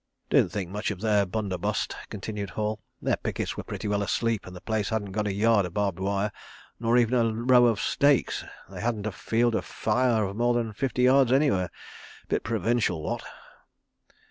"Didn't think much of their bundobust," continued Hall. "Their pickets were pretty well asleep and the place hadn't got a yard of barbed wire nor even a row of stakes. They hadn't a field of fire of more than fifty yards anywhere. ... Bit provincial, what?